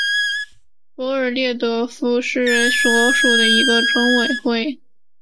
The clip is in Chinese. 博尔德列夫卡村委员会是俄罗斯联邦阿穆尔州扎维京斯克区所属的一个村委员会。